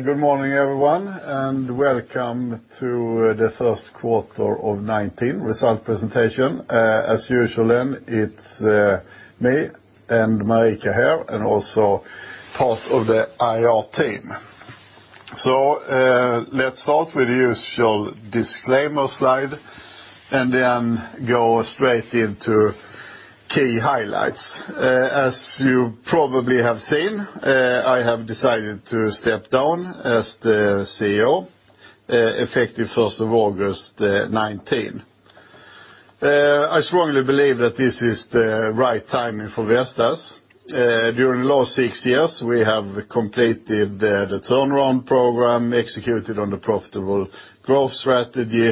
Good morning, everyone, welcome to the first quarter of 2019 result presentation. As usual, it's me and Marika here, and also part of the IR team. Let's start with the usual disclaimer slide, go straight into key highlights. As you probably have seen, I have decided to step down as the CEO, effective 1st of August 2019. I strongly believe that this is the right timing for Vestas. During the last six years, we have completed the turnaround program, executed on the profitable growth strategy,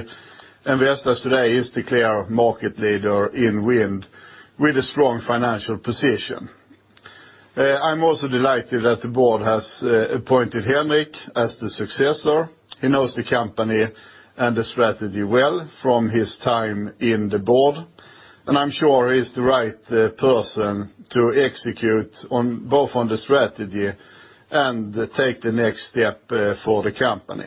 and Vestas today is the clear market leader in wind with a strong financial position. I'm also delighted that the board has appointed Henrik as the successor. He knows the company and the strategy well from his time in the board, I'm sure he's the right person to execute both on the strategy and take the next step for the company.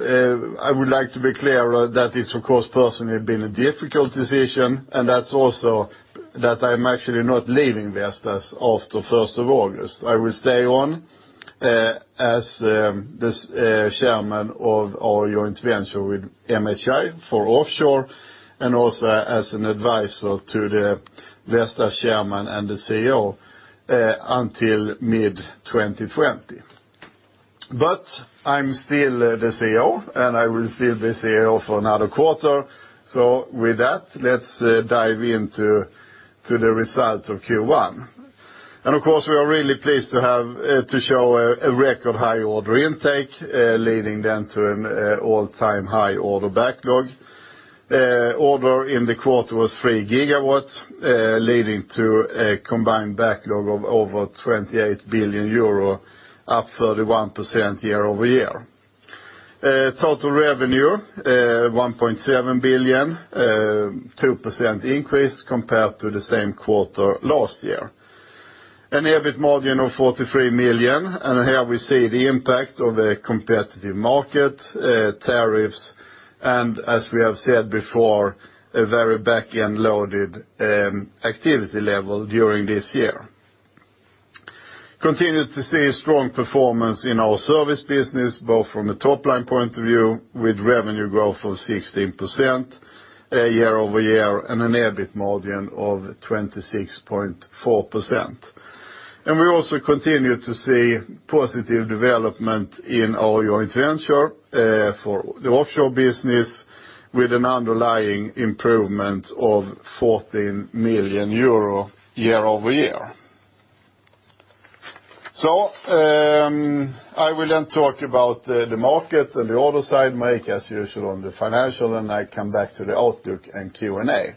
I would like to be clear that this, of course, personally has been a difficult decision and that's also that I'm actually not leaving Vestas after 1st of August. I will stay on as this chairman of our joint venture with MHI for offshore as an advisor to the Vestas chairman and the CEO until mid-2020. I'm still the CEO, I will still be CEO for another quarter. With that, let's dive into the results of Q1. Of course, we are really pleased to show a record high order intake, leading to an all-time high order backlog. Order in the quarter was 3 gigawatts, leading to a combined backlog of over 28 billion euro, up 31% year-over-year. Total revenue, 1.7 billion, 2% increase compared to the same quarter last year. EBIT margin of 43 million, here we see the impact of the competitive market tariffs, as we have said before, a very back-end loaded activity level during this year. Continue to see a strong performance in our service business, both from a top-line point of view with revenue growth of 16% year-over-year and an EBIT margin of 26.4%. We also continue to see positive development in our joint venture for the offshore business with an underlying improvement of EUR 14 million year-over-year. I will talk about the market and the order side, Marika, as usual, on the financial, I come back to the outlook and Q&A.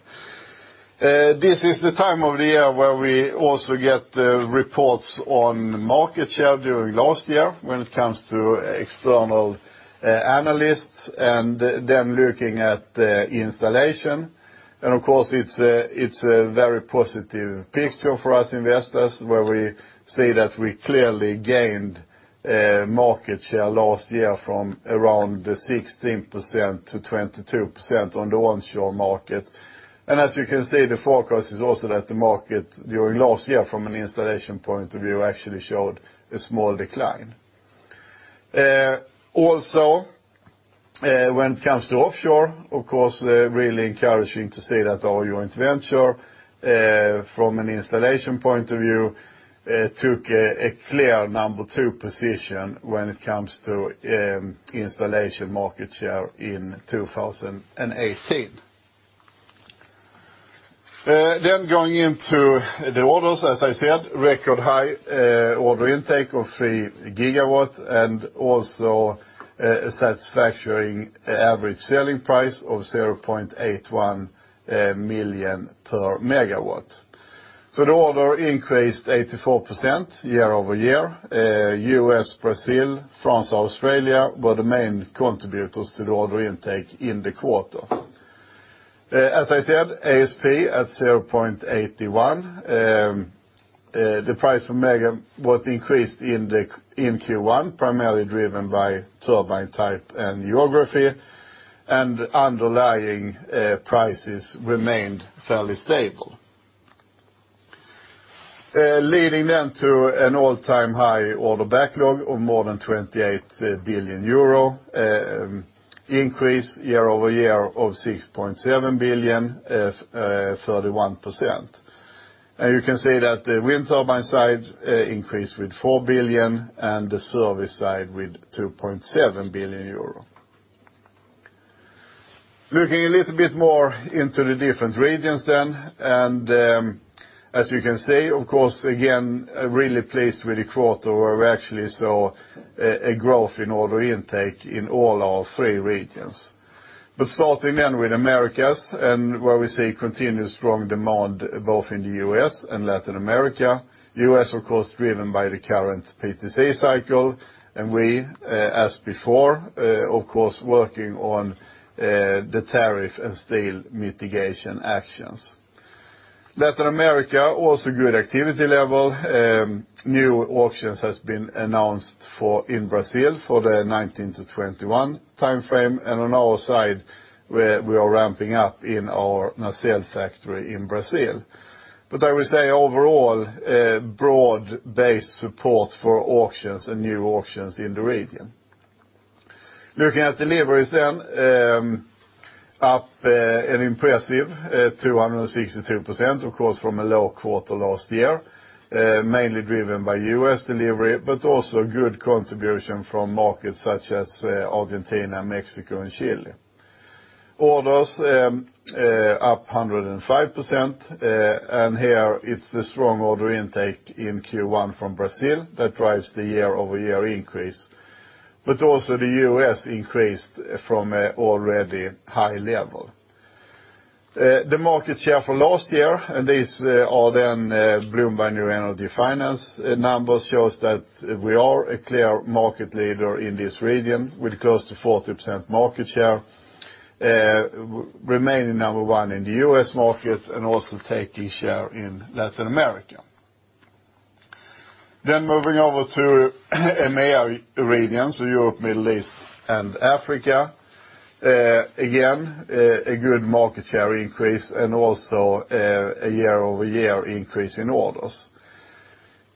This is the time of the year where we also get the reports on market share during last year when it comes to external analysts looking at the installation. Of course, it's a very positive picture for us Vestas, where we see that we clearly gained market share last year from around 16% to 22% on the onshore market. As you can see, the forecast is also that the market during last year from an installation point of view actually showed a small decline. When it comes to offshore, of course, really encouraging to see that our joint venture, from an installation point of view, took a clear number 2 position when it comes to installation market share in 2018. Going into the orders, as I said, record high order intake of 3 gigawatts and also a satisfactory average selling price of 0.81 million per megawatt. The order increased 84% year-over-year. U.S., Brazil, France, Australia were the main contributors to the order intake in the quarter. As I said, ASP at 0.81. The price per megawatt increased in Q1, primarily driven by turbine type and geography. Underlying prices remained fairly stable, leading to an all-time high order backlog of more than 28 billion euro, increase year-over-year of 6.7 billion, 31%. You can see that the wind turbine side increased with 4 billion and the service side with 2.7 billion euro. Looking a little bit more into the different regions. As you can see, of course, again, really pleased with the quarter where we actually saw a growth in order intake in all our three regions. Starting with Americas, where we see continued strong demand both in the U.S. and Latin America. U.S., of course, driven by the current PTC cycle. We, as before, of course, working on the tariff and steel mitigation actions. Latin America, also good activity level. New auctions have been announced in Brazil for the 2019 to 2021 timeframe. On our side, we are ramping up in our nacelle factory in Brazil. I would say overall, broad-based support for auctions and new auctions in the region. Looking at deliveries, up an impressive 262%, of course, from a low quarter last year, mainly driven by U.S. delivery, but also good contribution from markets such as Argentina, Mexico, and Chile. Orders up 105%. Here it's the strong order intake in Q1 from Brazil that drives the year-over-year increase, but also the U.S. increased from an already high level. The market share for last year. These are Bloomberg New Energy Finance numbers, shows that we are a clear market leader in this region with close to 40% market share, remaining number one in the U.S. market and also taking share in Latin America. Moving over to MEA region, so Europe, Middle East and Africa. Again, a good market share increase. Also a year-over-year increase in orders.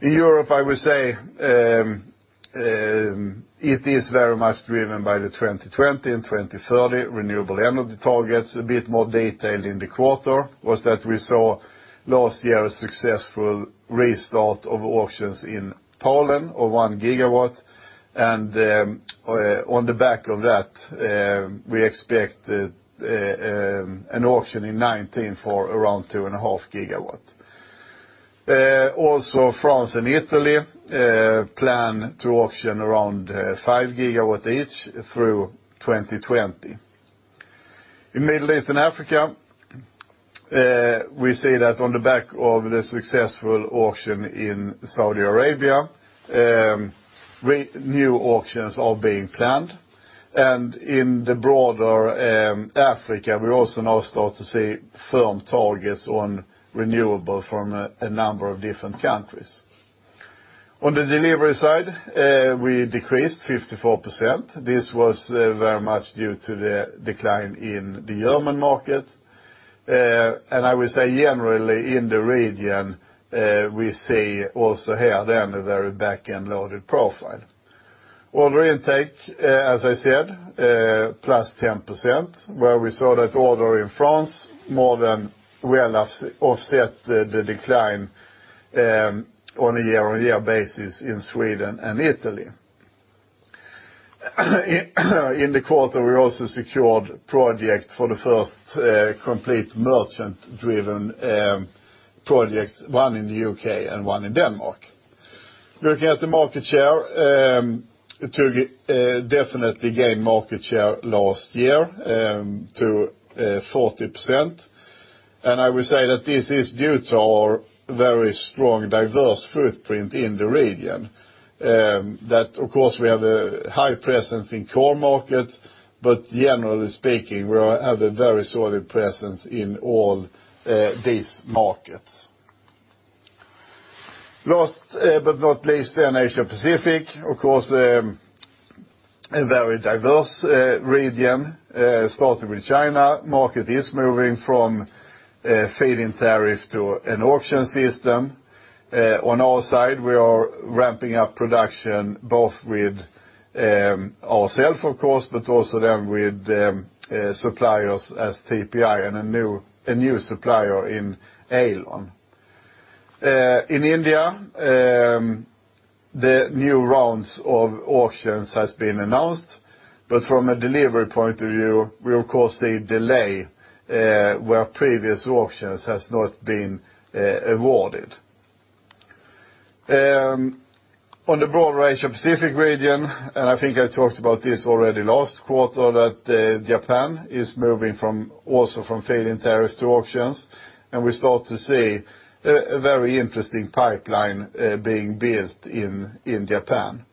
In Europe, I would say, it is very much driven by the 2020 and 2030 renewable energy targets. A bit more detail in the quarter was that we saw last year a successful restart of auctions in Poland of 1 gigawatt. On the back of that, we expect an auction in 2019 for around 2.5 gigawatt. France and Italy plan to auction around 5 gigawatt each through 2020. In Middle East and Africa, we see that on the back of the successful auction in Saudi Arabia, new auctions are being planned. In the broader Africa, we also now start to see firm targets on renewable from a number of different countries. On the delivery side, we decreased 54%. This was very much due to the decline in the German market. I would say generally in the region, we see also here then a very back-end loaded profile. Order intake, as I said, +10%, where we saw that order in France more than well offset the decline on a year-on-year basis in Sweden and Italy. In the quarter, we also secured project for the first complete merchant-driven projects, one in the U.K. and one in Denmark. Looking at the market share, [TUG] definitely gained market share last year to 40%. I would say that this is due to our very strong, diverse footprint in the region. Of course, we have a high presence in core markets, but generally speaking, we have a very solid presence in all these markets. Last but not least, then Asia Pacific, of course, a very diverse region. Starting with China, market is moving from feed-in tariff to an auction system. On our side, we are ramping up production both with ourself, of course, but also then with suppliers as TPI and a new supplier in Aeolon. In India, the new rounds of auctions has been announced, but from a delivery point of view, we of course see delay where previous auctions has not been awarded. On the broad Asia Pacific region, I think I talked about this already last quarter, Japan is moving also from feed-in tariff to auctions, and we start to see a very interesting pipeline being built in Japan.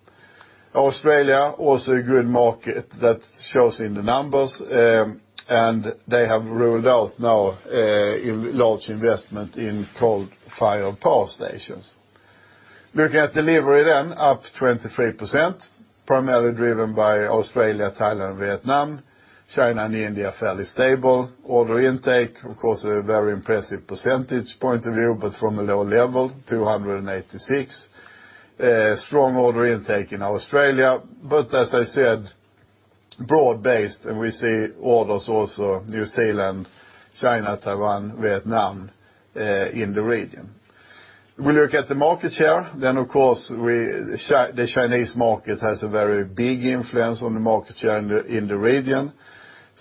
Australia, also a good market that shows in the numbers, and they have ruled out now a large investment in coal-fired power stations. Looking at delivery then, up 23%, primarily driven by Australia, Thailand, and Vietnam. China and India, fairly stable. Order intake, of course, a very impressive percentage point of view, but from a low level, 286. Strong order intake in Australia, but as I said, broad-based, and we see orders also New Zealand, China, Taiwan, Vietnam in the region. We look at the market share, then of course, the Chinese market has a very big influence on the market share in the region.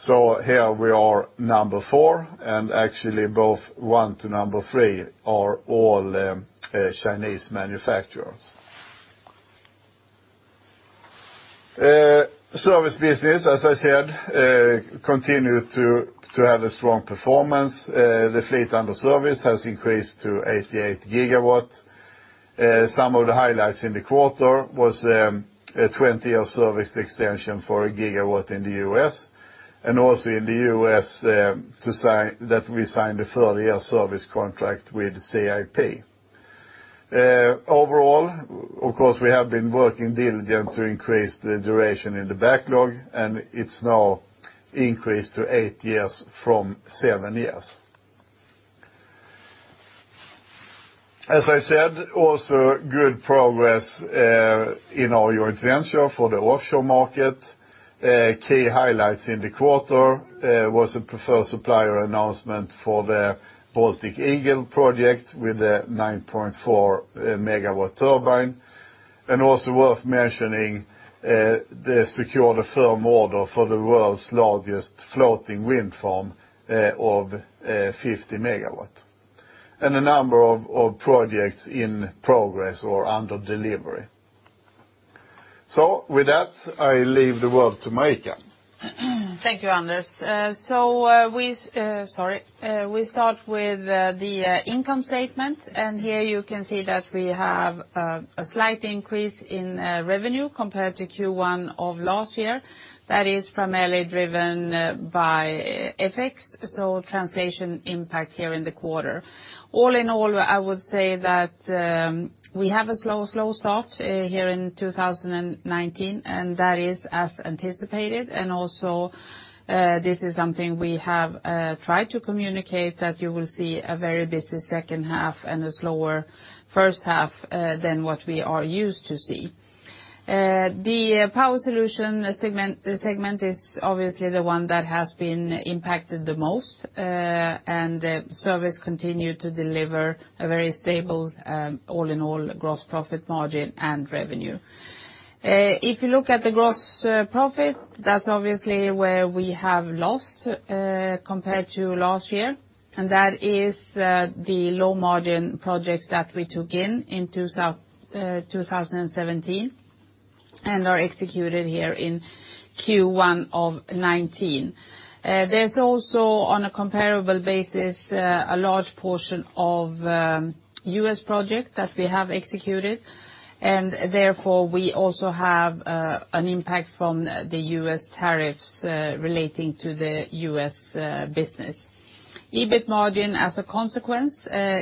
Here we are number four, and actually both one to number three are all Chinese manufacturers. Service business, as I said, continue to have a strong performance. The fleet under service has increased to 88 GW. Some of the highlights in the quarter was a 20-year service extension for a GW in the U.S., and also in the U.S., we signed a 30-year service contract with CIP. Overall, of course, we have been working diligent to increase the duration in the backlog, and it's now increased to eight years from seven years. As I said, also good progress in our joint venture for the offshore market. Key highlights in the quarter was a preferred supplier announcement for the Baltic Eagle project with a 9.4 MW turbine. Also worth mentioning, they secured a firm order for the world's largest floating wind farm of 50 MW. A number of projects in progress or under delivery. With that, I leave the word to Marika. Thank you, Anders. Here you can see that we have a slight increase in revenue compared to Q1 of last year. That is primarily driven by effects, so translation impact here in the quarter. All in all, I would say that we have a slow start here in 2019. That is as anticipated. This is something we have tried to communicate, that you will see a very busy second half and a slower first half than what we are used to see. The Power Solutions segment is obviously the one that has been impacted the most. Service continued to deliver a very stable, all in all, gross profit margin and revenue. If you look at the gross profit, that is obviously where we have lost compared to last year. That is the low-margin projects that we took in in 2017 and are executed here in Q1 of 2019. There is also, on a comparable basis, a large portion of U.S. project that we have executed. Therefore, we also have an impact from the U.S. tariffs relating to the U.S. business. EBIT margin, as a consequence,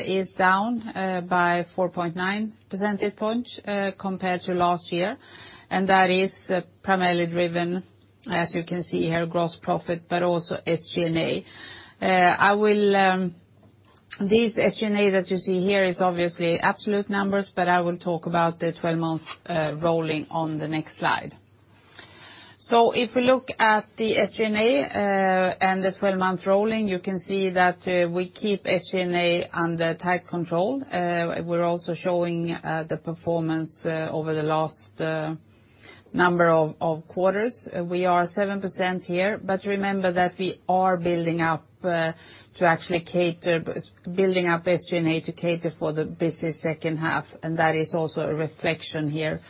is down by 4.9 percentage point compared to last year. That is primarily driven, as you can see here, gross profit, but also SG&A. This SG&A that you see here is obviously absolute numbers, but I will talk about the 12 months rolling on the next slide. If we look at the SG&A and the 12 months rolling, you can see that we keep SG&A under tight control. We are also showing the performance over the last number of quarters. We are 7% here, but remember that we are building up SG&A to cater for the busy second half. That is also a reflection here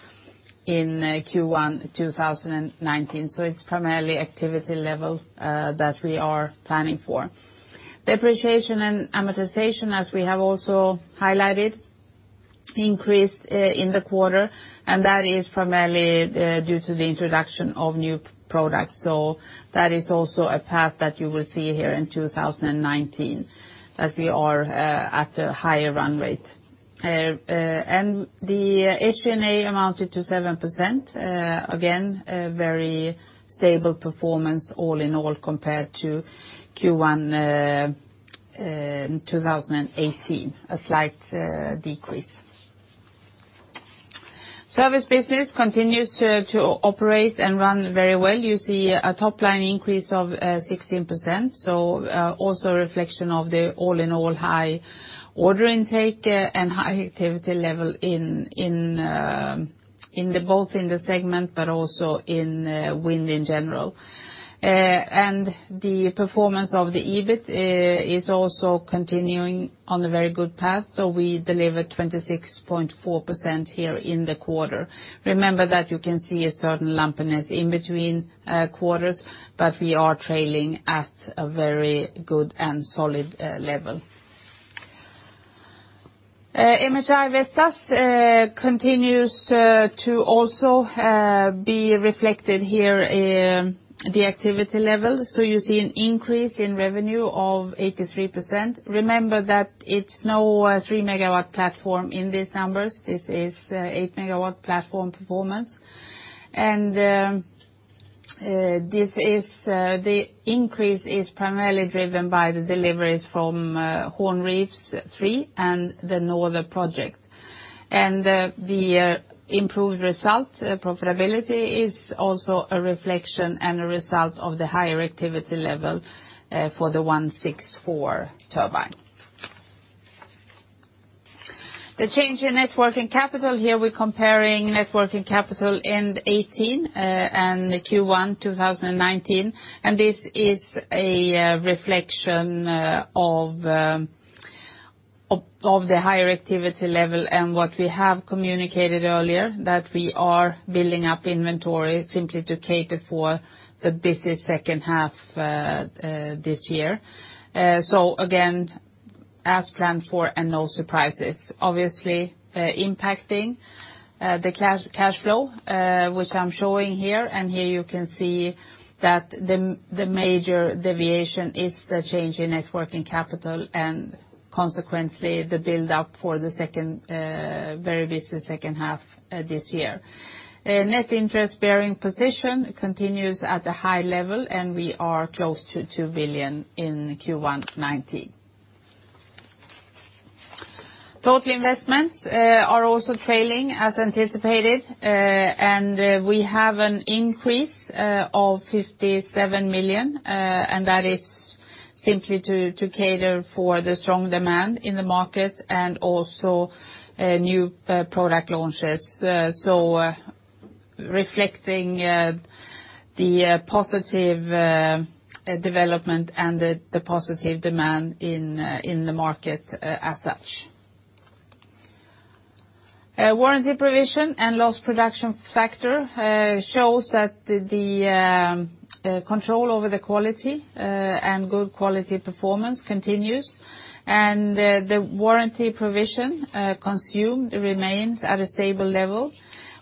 in Q1 2019. It is primarily activity level that we are planning for. Depreciation and amortization, as we have also highlighted, increased in the quarter. That is primarily due to the introduction of new products. That is also a path that you will see here in 2019, that we are at a higher run rate. The SG&A amounted to 7%. Again, a very stable performance all in all compared to Q1 2018, a slight decrease. Service business continues to operate and run very well. You see a top-line increase of 16%. That is also a reflection of the all in all high order intake and high activity level both in the segment but also in wind in general. The performance of the EBIT is also continuing on a very good path. We delivered 26.4% here in the quarter. Remember that you can see a certain lumpiness in between quarters, but we are trailing at a very good and solid level. MHI Vestas continues to also be reflected here in the activity level. You see an increase in revenue of 83%. Remember that it is no 3 MW platform in these numbers. This is 8 MW platform performance. The increase is primarily driven by the deliveries from Horns Rev 3 and the Northern project. The improved result profitability is also a reflection and a result of the higher activity level for the V164 turbine. The change in net working capital. Here we are comparing net working capital in 2018 and Q1 2019, and this is a reflection of the higher activity level and what we have communicated earlier, that we are building up inventory simply to cater for the busy second half this year. As planned for and no surprises. Obviously, impacting the cash flow, which I am showing here, and here you can see that the major deviation is the change in net working capital and consequently the build-up for the very busy second half this year. Net interest bearing position continues at a high level, and we are close to 2 billion in Q1 2019. Total investments are also trailing as anticipated, and we have an increase of 57 million, and that is simply to cater for the strong demand in the market and also new product launches. Reflecting the positive development and the positive demand in the market as such. Warranty provision and loss production factor shows that the control over the quality, and good quality performance continues, and the warranty provision consumed remains at a stable level.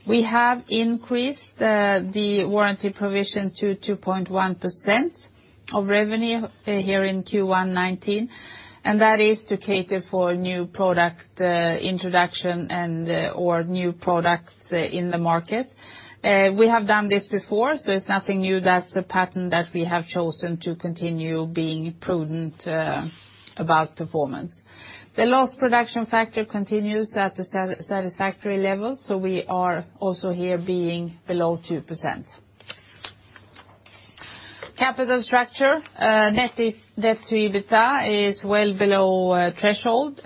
We have increased the warranty provision to 2.1% of revenue here in Q1 2019, and that is to cater for new product introduction and/or new products in the market. We have done this before, so it is nothing new. That is a pattern that we have chosen to continue being prudent about performance. The last production factor continues at a satisfactory level, so we are also here being below 2%. Capital structure. Net debt to EBITDA is well below threshold,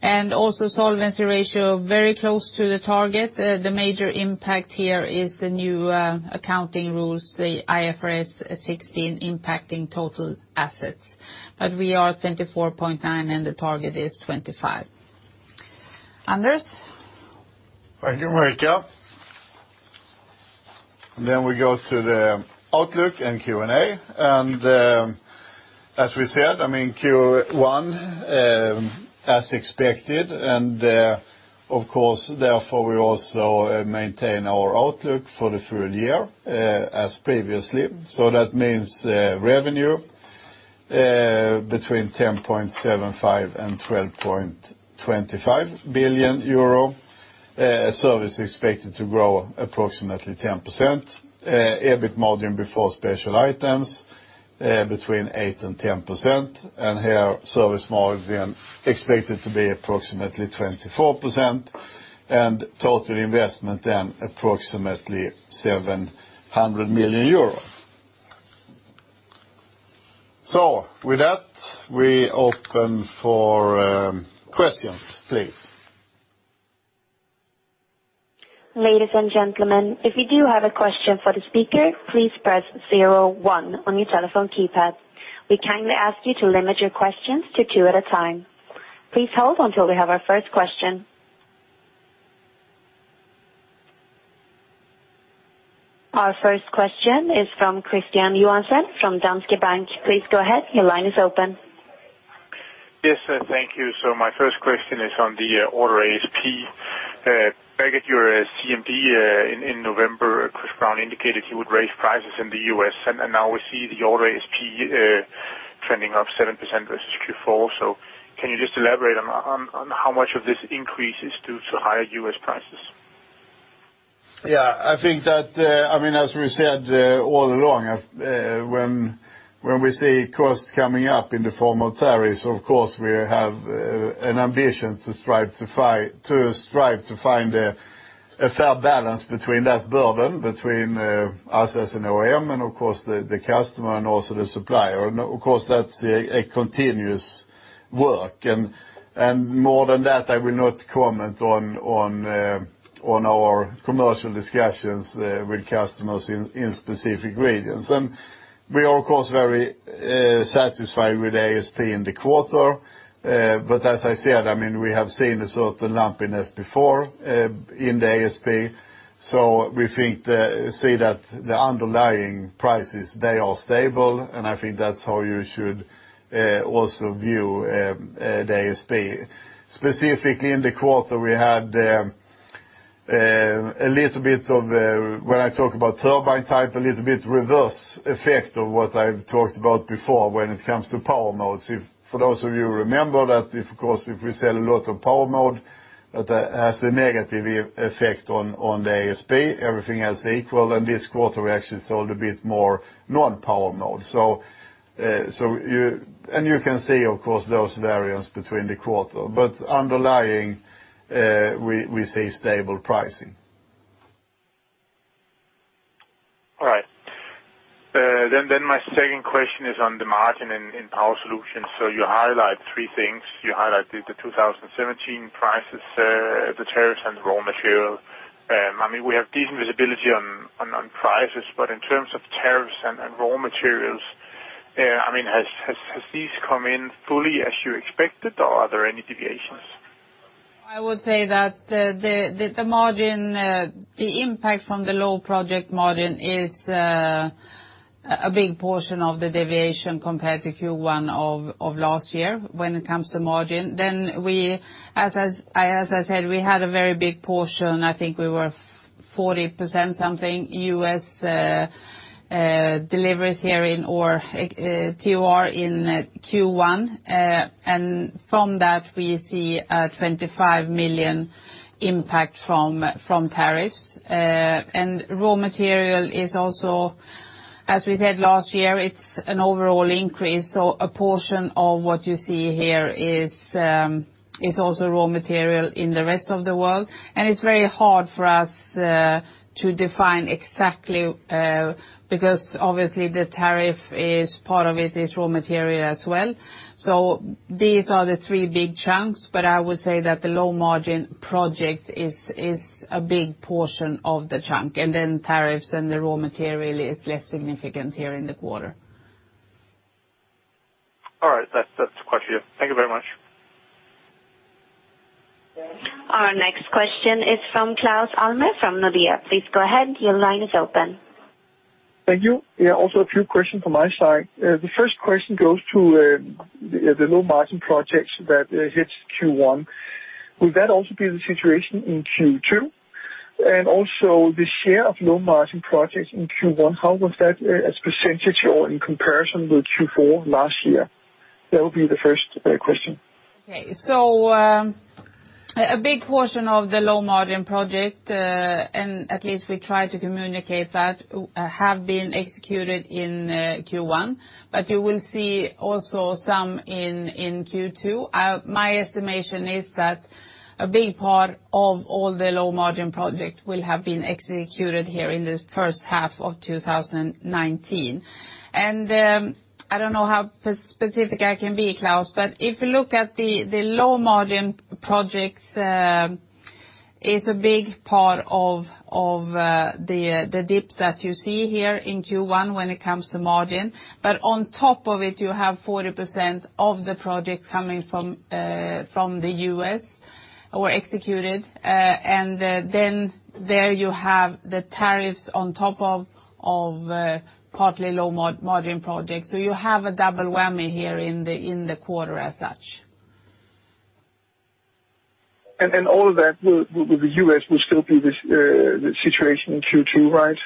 and also solvency ratio very close to the target. The major impact here is the new accounting rules, the IFRS 16 impacting total assets. We are 24.9, and the target is 25. Anders. Thank you, Marika. We go to the outlook and Q&A. As we said, Q1 as expected, and of course, therefore, we also maintain our outlook for the full year, as previously. That means revenue between 10.75 billion and 12.25 billion euro. Service expected to grow approximately 10%. EBIT margin before special items between 8% and 10%, and here service margin expected to be approximately 24%, and total investment approximately EUR 700 million. With that, we open for questions, please. Ladies and gentlemen, if you do have a question for the speaker, please press 01 on your telephone keypad. We kindly ask you to limit your questions to two at a time. Please hold until we have our first question. Our first question is from Kristian Johansen from Danske Bank. Please go ahead. Your line is open. Yes, thank you. My first question is on the order ASP. Back at your CMD in November, Chris Brown indicated he would raise prices in the U.S., and now we see the order ASP trending up 7% versus Q4. Can you just elaborate on how much of this increase is due to higher U.S. prices? As we said all along, when we see costs coming up in the form of tariffs, of course, we have an ambition to strive to find a fair balance between that burden, between us as an OEM and of course the customer and also the supplier. Of course, that's a continuous work. More than that, I will not comment on our commercial discussions with customers in specific regions. We are, of course, very satisfied with ASP in the quarter. As I said, we have seen a certain lumpiness before in the ASP. We see that the underlying prices, they are stable, and I think that's how you should also view the ASP. Specifically in the quarter, we had, when I talk about turbine type, a little bit reverse effect of what I've talked about before when it comes to power modes. For those of you who remember that, of course, if we sell a lot of power mode, that has a negative effect on the ASP, everything else is equal, and this quarter we actually sold a bit more non-power mode. You can see, of course, those variants between the quarter. Underlying, we see stable pricing. My second question is on the margin in Power Solutions. You highlight three things. You highlighted the 2017 prices, the tariffs, and the raw material. We have decent visibility on prices, but in terms of tariffs and raw materials, has these come in fully as you expected or are there any deviations? I would say that the impact from the low project margin is a big portion of the deviation compared to Q1 of last year when it comes to margin. As I said, we had a very big portion, I think we were 40% something U.S. deliveries here in total in Q1. From that, we see a 25 million impact from tariffs. Raw material is also, as we said last year, it's an overall increase. A portion of what you see here is also raw material in the rest of the world. It's very hard for us to define exactly, because obviously the tariff is part of it, is raw material as well. These are the three big chunks. I would say that the low-margin project is a big portion of the chunk, tariffs and the raw material is less significant here in the quarter. All right. That's quite clear. Thank you very much. Our next question is from Claus Almer from Nordea. Please go ahead, your line is open. Thank you. Yeah, also a few questions from my side. The first question goes to the low-margin projects that hits Q1. Will that also be the situation in Q2? Also the share of low-margin projects in Q1, how was that as % or in comparison to Q4 last year? That will be the first question. A big portion of the low-margin project, and at least we try to communicate that, have been executed in Q1, but you will see also some in Q2. My estimation is that a big part of all the low-margin project will have been executed here in the first half of 2019. I don't know how specific I can be, Claus, but if you look at the low-margin projects, it's a big part of the dip that you see here in Q1 when it comes to margin. On top of it, you have 40% of the projects coming from the U.S. were executed. Then there you have the tariffs on top of partly low-margin projects. You have a double whammy here in the quarter as such. All of that with the U.S. will still be the situation in Q2, right?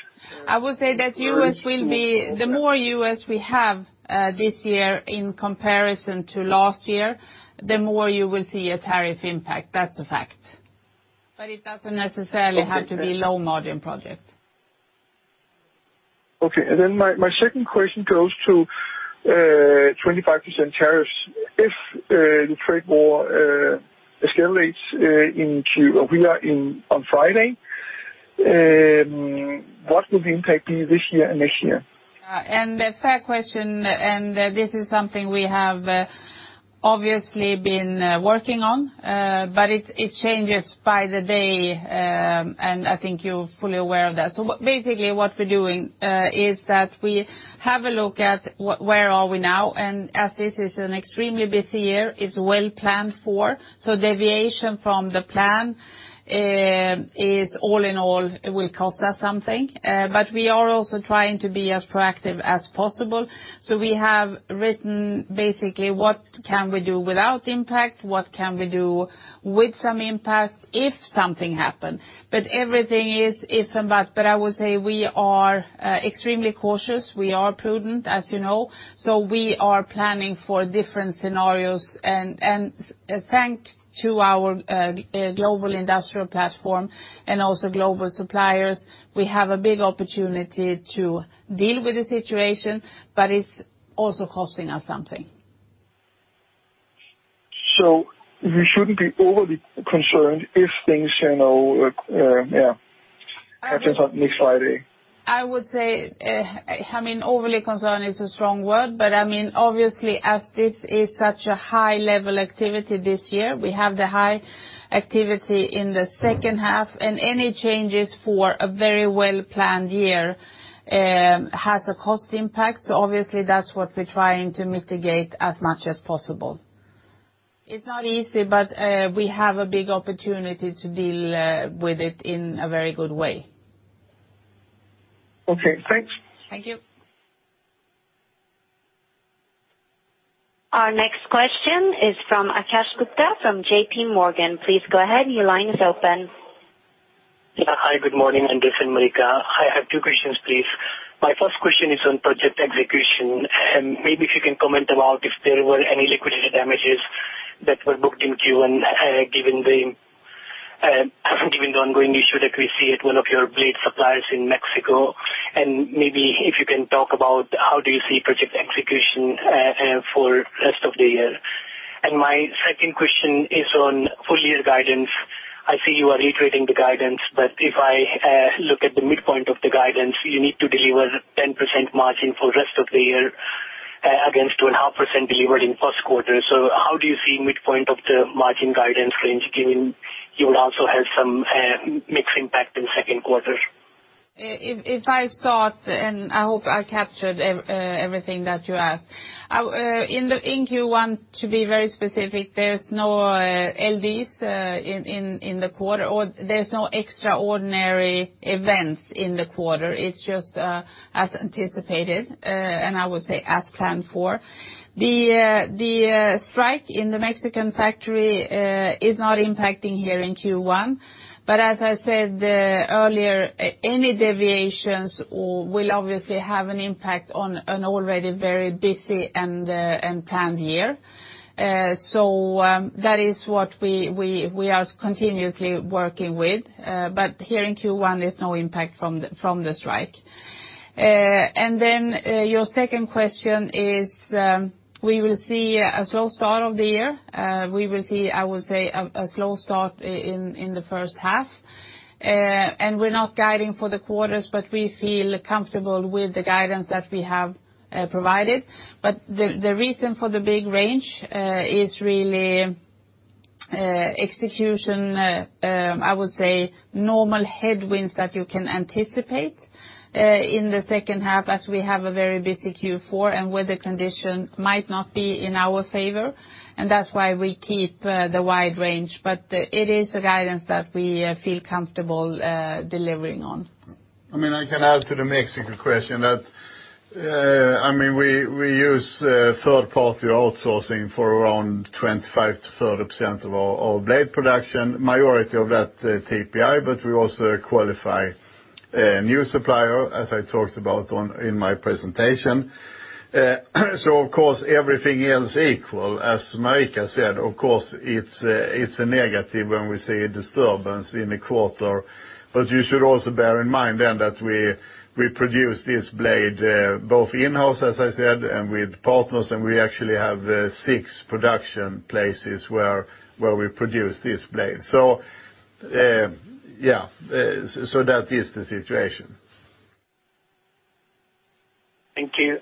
I would say that the more U.S. we have this year in comparison to last year, the more you will see a tariff impact. That's a fact. It doesn't necessarily have to be low-margin project. Okay. My second question goes to 25% tariffs. If the trade war escalates, we are on Friday, what will the impact be this year and next year? A fair question, and this is something we have obviously been working on. It changes by the day, and I think you're fully aware of that. Basically what we're doing is that we have a look at where are we now, and as this is an extremely busy year, it's well planned for. Deviation from the plan is all in all, it will cost us something. We are also trying to be as proactive as possible. We have written basically what can we do without impact, what can we do with some impact if something happens. Everything is if and but. I would say we are extremely cautious. We are prudent, as you know. We are planning for different scenarios, and thanks to our global industrial platform and also global suppliers, we have a big opportunity to deal with the situation. It's also costing us something. We shouldn't be overly concerned if things happen next Friday. I would say, overly concerned is a strong word, obviously as this is such a high-level activity this year, we have the high activity in the second half, any changes for a very well-planned year has a cost impact. Obviously that's what we're trying to mitigate as much as possible. It's not easy, we have a big opportunity to deal with it in a very good way. Okay. Thanks. Thank you. Our next question is from Akash Gupta from J.P. Morgan. Please go ahead, your line is open. Yeah. Hi, good morning, Anders and Marika. I have two questions, please. My first question is on project execution, maybe if you can comment about if there were any liquidated damages that were booked in Q1, given the ongoing issue that we see at one of your blade suppliers in Mexico. Maybe if you can talk about how do you see project execution for rest of the year. My second question is on full-year guidance. I see you are reiterating the guidance, but if I look at the midpoint of the guidance, you need to deliver 10% margin for rest of the year against 2.5% delivered in first quarter. How do you see midpoint of the margin guidance range given you will also have some mixed impact in second quarter? If I start, I hope I captured everything that you asked. In Q1, to be very specific, there's no LDs in the quarter, there's no extraordinary events in the quarter. It's just as anticipated, I would say as planned for. The strike in the Mexican factory is not impacting here in Q1. As I said earlier, any deviations will obviously have an impact on an already very busy and planned year. That is what we are continuously working with. Here in Q1, there's no impact from the strike. Your second question is, we will see a slow start of the year. We will see, I would say, a slow start in the first half. We're not guiding for the quarters, but we feel comfortable with the guidance that we have provided. The reason for the big range is really execution, I would say, normal headwinds that you can anticipate in the second half as we have a very busy Q4, weather condition might not be in our favor, and that's why we keep the wide range. It is a guidance that we feel comfortable delivering on. I can add to the Mexico question that we use third-party outsourcing for around 25%-30% of our blade production. Majority of that TPI, but we also qualify a new supplier, as I talked about in my presentation. Of course, everything else equal, as Marika said, of course, it's a negative when we see a disturbance in a quarter. You should also bear in mind then that we produce this blade both in-house, as I said, and with partners, and we actually have six production places where we produce this blade. Yeah. That is the situation. Thank you.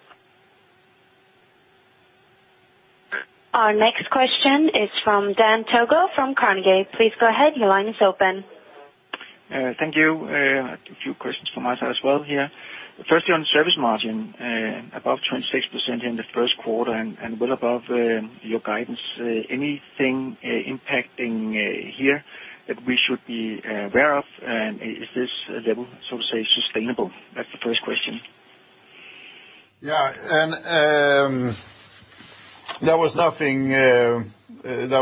Our next question is from Dan Togo from Carnegie. Please go ahead, your line is open. Thank you. A few questions from my side as well here. Firstly, on service margin, above 26% in the first quarter and well above your guidance. Anything impacting here that we should be aware of? Is this level, so to say, sustainable? That's the first question. Yeah. There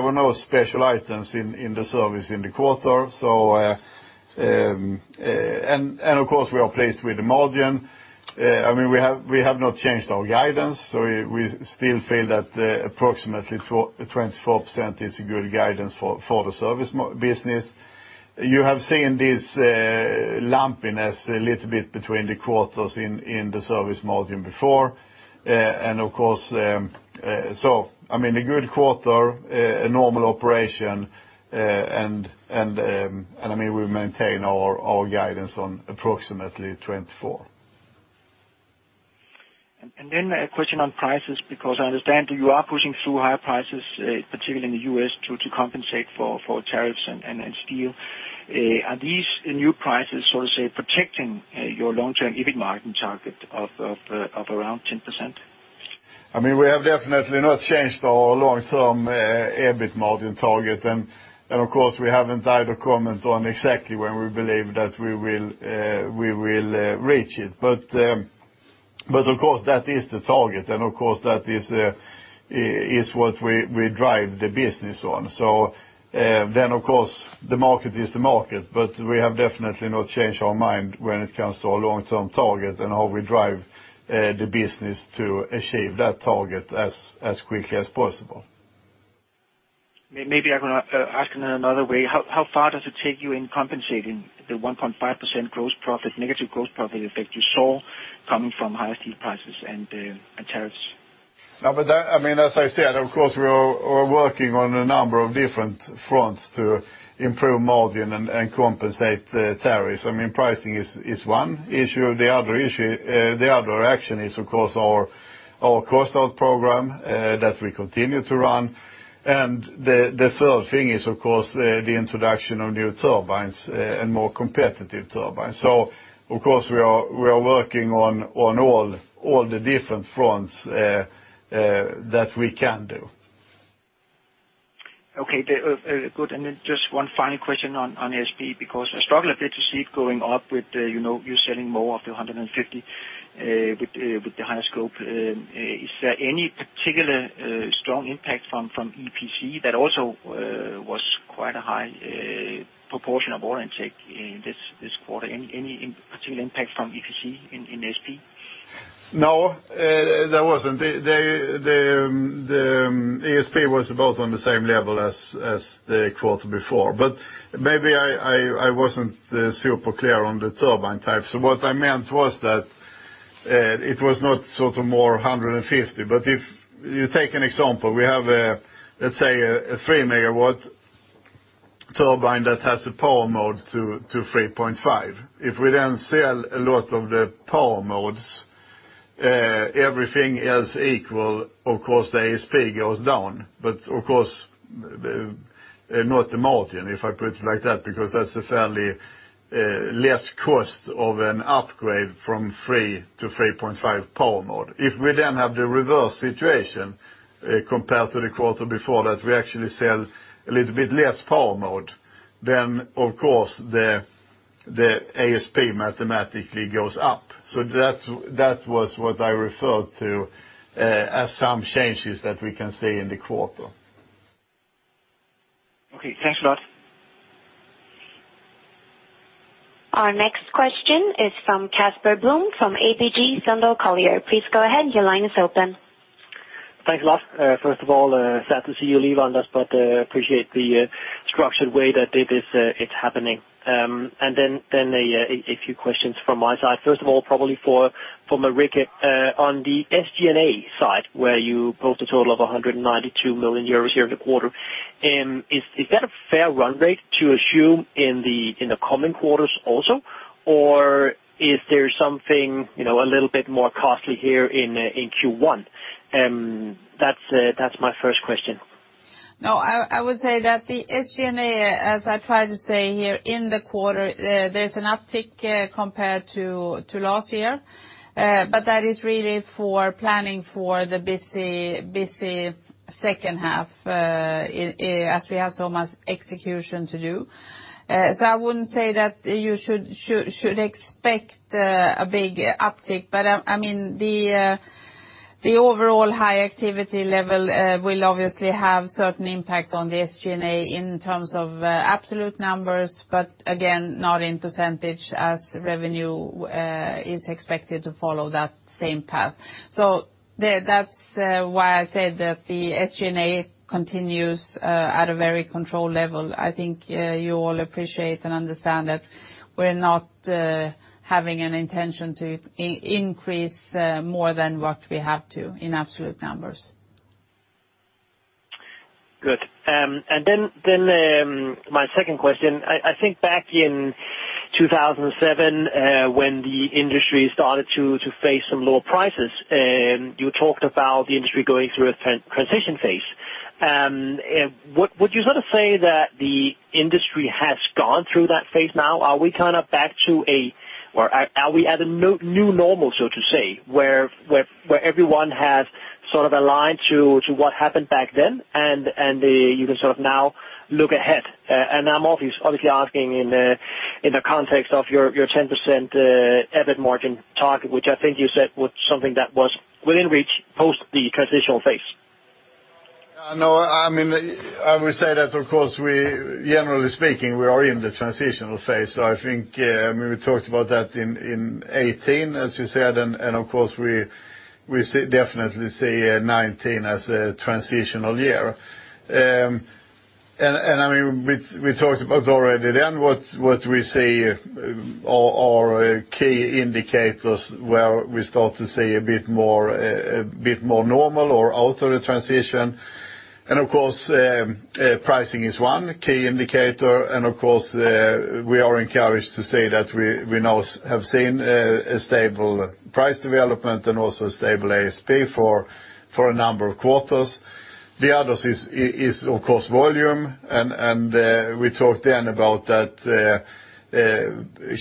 were no special items in the service in the quarter. Of course, we are pleased with the margin. We have not changed our guidance, we still feel that approximately 24% is a good guidance for the service business. You have seen this lumpiness a little bit between the quarters in the service margin before. A good quarter, a normal operation, and we maintain our guidance on approximately 24%. A question on prices, because I understand you are pushing through higher prices, particularly in the U.S., to compensate for tariffs and steel. Are these new prices, so to say, protecting your long-term EBIT margin target of around 10%? We have definitely not changed our long-term EBIT margin target. Of course, we haven't either comment on exactly when we believe that we will reach it. Of course, that is the target. Of course, that is what we drive the business on. Of course, the market is the market, we have definitely not changed our mind when it comes to our long-term target and how we drive the business to achieve that target as quickly as possible. Maybe I can ask in another way. How far does it take you in compensating the 1.5% negative gross profit effect you saw coming from higher steel prices and tariffs? As I said, of course, we are working on a number of different fronts to improve margin and compensate the tariffs. Pricing is one issue. The other action is, of course, our cost out program that we continue to run. The third thing is, of course, the introduction of new turbines and more competitive turbines. Of course, we are working on all the different fronts that we can do. Okay. Good. Just one final question on ASP, because I struggle a bit to see it going up with you selling more of the V150 with the higher scope. Is there any particular strong impact from EPC that also was quite a high proportion of order intake in this quarter? Any particular impact from EPC in ASP? No, there wasn't. The ASP was about on the same level as the quarter before. Maybe I wasn't super clear on the turbine type. What I meant was that it was not sort of more 150. If you take an example, we have, let's say, a 3 MW turbine that has a Power Optimised Mode to 3.5. If we then sell a lot of the Power Optimised Modes, everything else equal, of course, the ASP goes down. Of course, not the margin, if I put it like that, because that's a fairly less cost of an upgrade from 3 to 3.5 Power Optimised Mode. If we then have the reverse situation compared to the quarter before that, we actually sell a little bit less Power Optimised Mode, then of course, the ASP mathematically goes up. That was what I referred to as some changes that we can see in the quarter. Okay, thanks a lot. Our next question is from Casper Blom, from ABG Sundal Collier. Please go ahead. Your line is open. Thanks a lot. First of all, sad to see you leave, Anders, but appreciate the structured way that it is happening. A few questions from my side. First of all, probably for Marika, on the SG&A side, where you post a total of 192 million euros here in the quarter. Is that a fair run rate to assume in the coming quarters also? Or is there something a little bit more costly here in Q1? That's my first question. No, I would say that the SG&A, as I try to say here in the quarter, there's an uptick compared to last year. That is really for planning for the busy second half, as we have so much execution to do. I wouldn't say that you should expect a big uptick, but the overall high activity level will obviously have certain impact on the SG&A in terms of absolute numbers, but again, not in % as revenue is expected to follow that same path. That's why I said that the SG&A continues at a very controlled level. I think you all appreciate and understand that we're not having an intention to increase more than what we have to in absolute numbers. Good. My second question. I think back in 2007, when the industry started to face some lower prices, you talked about the industry going through a transition phase. Would you say that the industry has gone through that phase now? Are we at a new normal, so to say, where everyone has aligned to what happened back then and you can now look ahead? I'm obviously asking in the context of your 10% EBIT margin target, which I think you said was something that was within reach post the transitional phase. I would say that, of course, generally speaking, we are in the transitional phase. I think we talked about that in 2018, as you said, and of course, we definitely see 2019 as a transitional year. We talked about already then what we see are key indicators where we start to see a bit more normal or out of the transition. Of course, pricing is one key indicator. Of course, we are encouraged to say that we now have seen a stable price development and also a stable ASP for a number of quarters. The other is, of course, volume. We talked then about that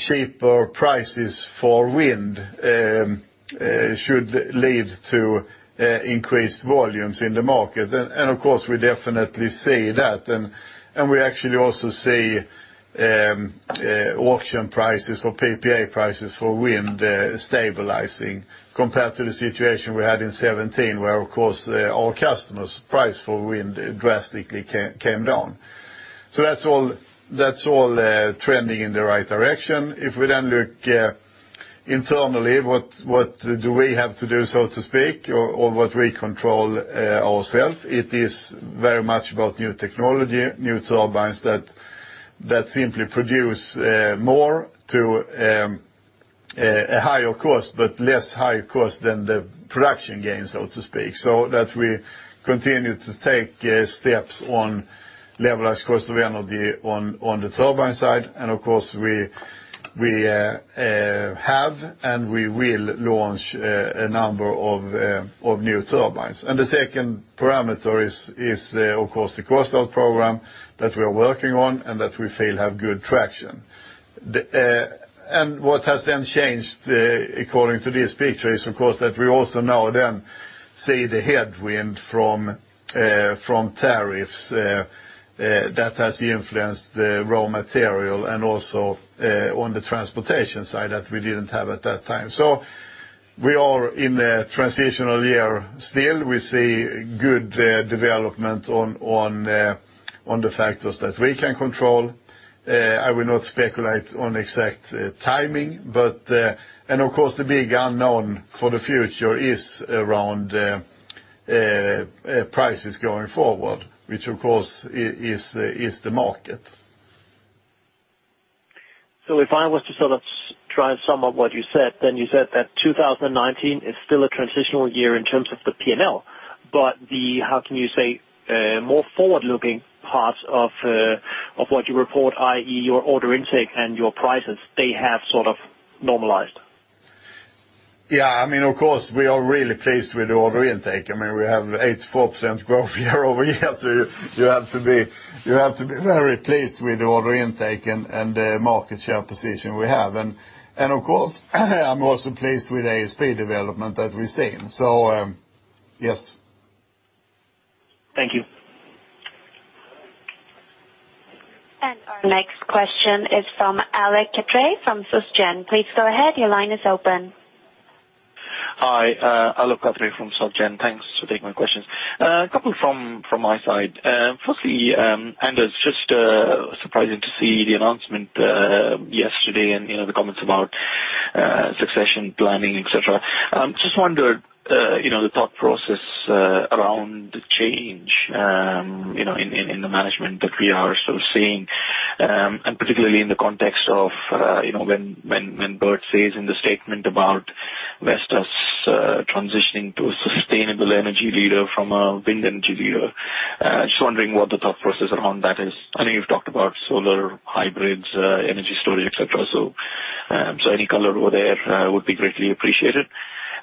cheaper prices for wind should lead to increased volumes in the market. Of course, we definitely see that. We actually also see auction prices or PPA prices for wind stabilizing compared to the situation we had in 2017, where, of course, our customers' price for wind drastically came down. That's all trending in the right direction. If we then look internally, what do we have to do, so to speak, or what we control ourself, it is very much about new technology, new turbines that simply produce more to a higher cost, but less high cost than the production gains, so to speak. That we continue to take steps on levelized cost of energy on the turbine side. Of course, we have and we will launch a number of new turbines. The second parameter is, of course, the cost out program that we are working on and that we feel have good traction. What has then changed according to this picture is, of course, that we also now then see the headwind from tariffs that has influenced the raw material and also on the transportation side that we didn't have at that time. We are in a transitional year still. We see good development on the factors that we can control. I will not speculate on exact timing. Of course, the big unknown for the future is around prices going forward, which of course, is the market. If I was to sort of try and sum up what you said, then you said that 2019 is still a transitional year in terms of the P&L. The, how can you say, more forward-looking parts of what you report, i.e., your order intake and your prices, they have sort of normalized? Of course, we are really pleased with the order intake. We have 84% growth year-over-year, so you have to be very pleased with the order intake and the market share position we have. Of course, I'm also pleased with ASP development that we're seeing. Yes. Thank you. Our next question is from Alec Catray from Soc Gen. Please go ahead. Your line is open. Hi, Alec Catray from Soc Gen. Thanks for taking my questions. A couple from my side. Firstly, Anders, just surprising to see the announcement yesterday and the comments about succession planning, et cetera. Just wondered the thought process around the change in the management that we are sort of seeing, and particularly in the context of when Bert says in the statement about Vestas transitioning to a sustainable energy leader from a wind energy leader. Just wondering what the thought process around that is. I know you've talked about solar, hybrids, energy storage, et cetera, so any color over there would be greatly appreciated.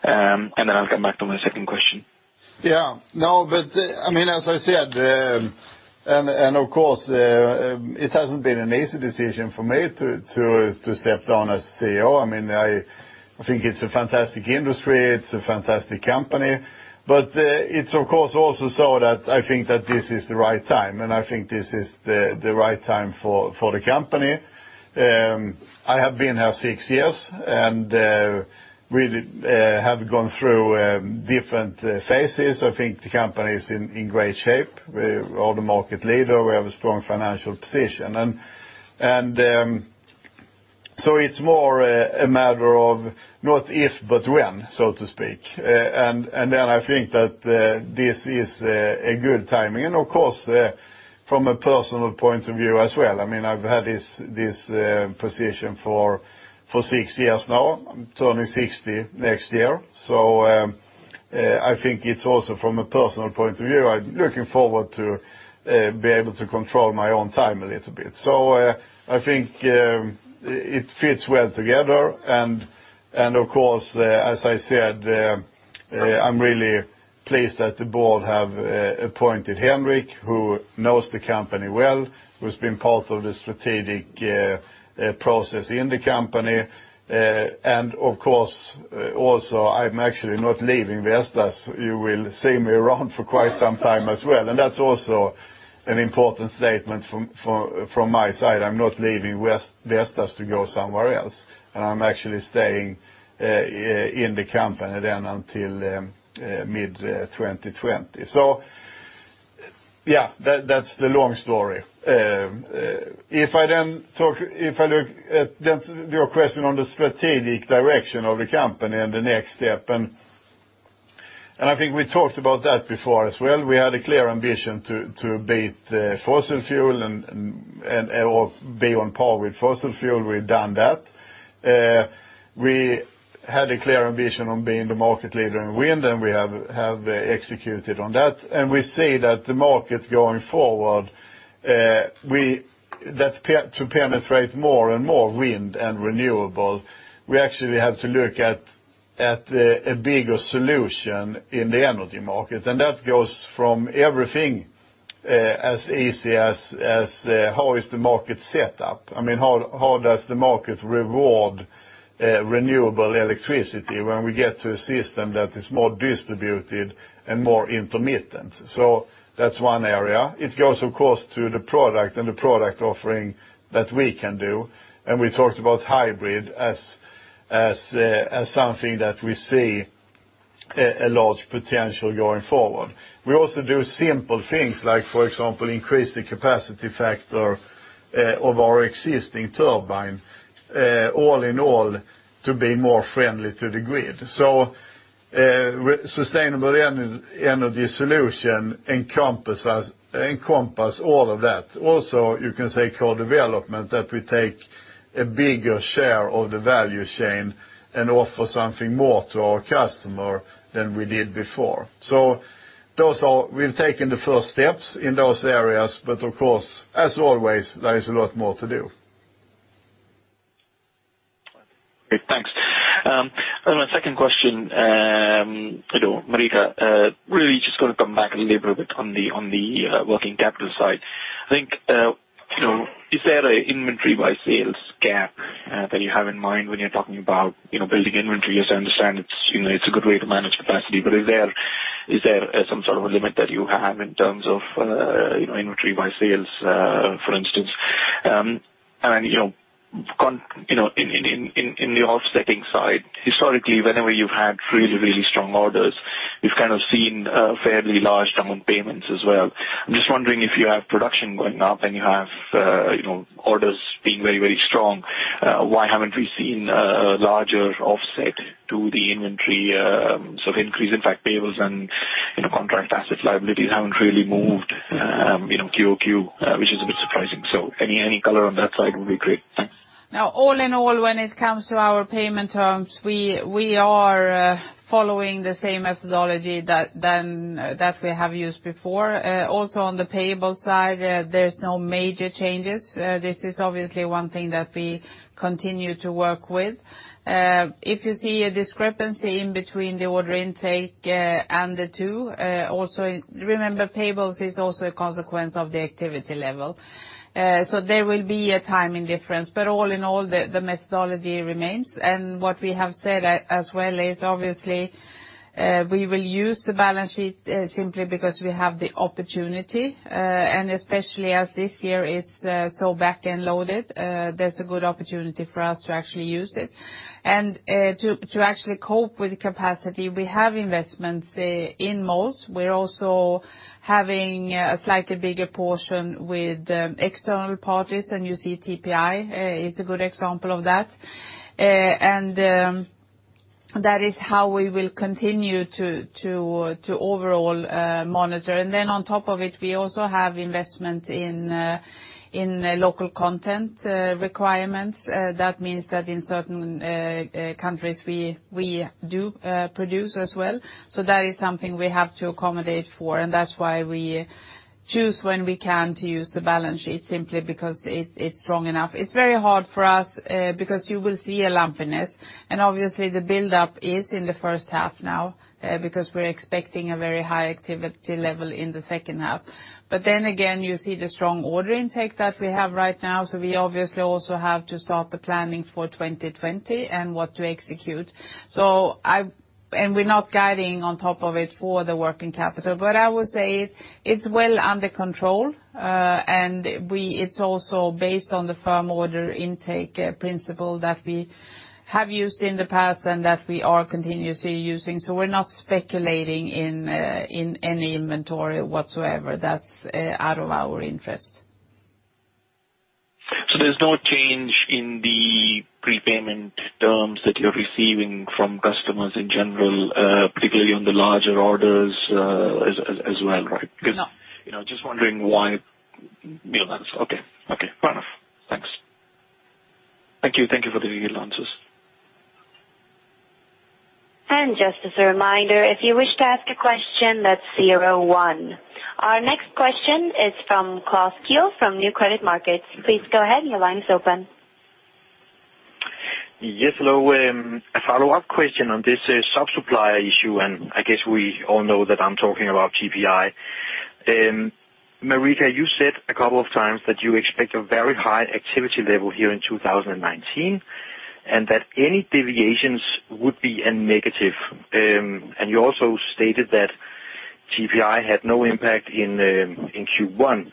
Then I'll come back to my second question. As I said, of course, it hasn't been an easy decision for me to step down as CEO. I think it's a fantastic industry. It's a fantastic company. It's of course also so that I think that this is the right time, and I think this is the right time for the company. I have been here six years, and we have gone through different phases. I think the company is in great shape. We are the market leader. We have a strong financial position. It's more a matter of not if, but when, so to speak. I think that this is a good timing. Of course, from a personal point of view as well. I've had this position for six years now. I'm turning 60 next year. I think it's also from a personal point of view, I'm looking forward to be able to control my own time a little bit. I think it fits well together, of course, as I said, I'm really pleased that the board have appointed Henrik, who knows the company well, who's been part of the strategic process in the company. Of course, also, I'm actually not leaving Vestas. You will see me around for quite some time as well, and that's also an important statement from my side. I'm not leaving Vestas to go somewhere else. I'm actually staying in the company then until mid-2020. That's the long story. If I look at your question on the strategic direction of the company and the next step, I think we talked about that before as well. We had a clear ambition to beat fossil fuel and/or be on par with fossil fuel. We've done that. We had a clear ambition on being the market leader in wind, and we have executed on that. We see that the market going forward, to penetrate more and more wind and renewable, we actually have to look at a bigger solution in the energy market. That goes from everything as easy as, how is the market set up? How does the market reward renewable electricity when we get to a system that is more distributed and more intermittent? That's one area. It goes, of course, to the product and the product offering that we can do. We talked about hybrid as something that we see a large potential going forward. We also do simple things like, for example, increase the capacity factor of our existing turbine, all in all, to be more friendly to the grid. Sustainable energy solution encompass all of that. Also, you can say core development, that we take a bigger share of the value chain and offer something more to our customer than we did before. We've taken the first steps in those areas, but of course, as always, there is a lot more to do. Okay, thanks. My second question, Marika, really just want to come back a little bit on the working capital side. I think, is there an inventory by sales gap that you have in mind when you're talking about building inventory? As I understand, it's a good way to manage capacity. Is there some sort of a limit that you have in terms of inventory by sales, for instance? In the offsetting side, historically, whenever you've had really, really strong orders, you've kind of seen a fairly large amount of payments as well. I'm just wondering if you have production going up and you have orders being very, very strong, why haven't we seen a larger offset to the inventory? The increase in fact payables and contract asset liabilities haven't really moved QOQ, which is a bit surprising. Any color on that side would be great. Thanks. All in all, when it comes to our payment terms, we are following the same methodology that we have used before. Also on the payable side, there's no major changes. This is obviously one thing that we continue to work with. If you see a discrepancy in between the order intake and the two, also remember payables is also a consequence of the activity level. There will be a timing difference, but all in all, the methodology remains. What we have said as well is obviously, we will use the balance sheet simply because we have the opportunity, and especially as this year is so back-end loaded, there's a good opportunity for us to actually use it. To actually cope with capacity, we have investments in Mols. We're also having a slightly bigger portion with external parties, and you see TPI is a good example of that, and that is how we will continue to overall monitor. Then on top of it, we also have investment in local content requirements. That means that in certain countries, we do produce as well. That is something we have to accommodate for, and that's why we choose when we can to use the balance sheet, simply because it's strong enough. It's very hard for us because you will see a lumpiness, and obviously the buildup is in the first half now, because we're expecting a very high activity level in the second half. Then again, you see the strong order intake that we have right now. We obviously also have to start the planning for 2020 and what to execute. We're not guiding on top of it for the working capital. I would say it's well under control. It's also based on the firm order intake principle that we have used in the past and that we are continuously using. We're not speculating in any inventory whatsoever. That's out of our interest. There's no change in the prepayment terms that you're receiving from customers in general, particularly on the larger orders as well, right? No. Just wondering why. Okay, fair enough. Thanks. Thank you for the answers. Just as a reminder, if you wish to ask a question, that's zero one. Our next question is from Claus Keul from Nykredit Markets. Please go ahead. Your line is open. Yes, hello. A follow-up question on this sub-supplier issue, I guess we all know that I'm talking about TPI. Marika, you said a couple of times that you expect a very high activity level here in 2019, that any deviations would be a negative. You also stated that TPI had no impact in Q1.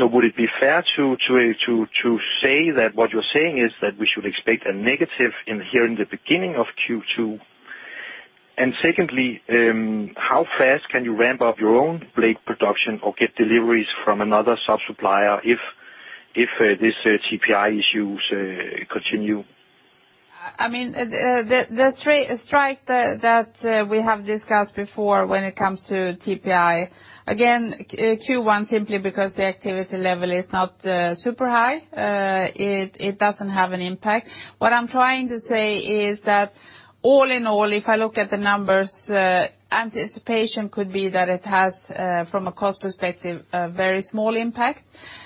Would it be fair to say that what you're saying is that we should expect a negative here in the beginning of Q2? Secondly, how fast can you ramp up your own blade production or get deliveries from another sub-supplier if these TPI issues continue? The strike that we have discussed before when it comes to TPI, again, Q1 simply because the activity level is not super high, it doesn't have an impact. What I'm trying to say is that all in all, if I look at the numbers, anticipation could be that it has, from a cost perspective, a very small impact.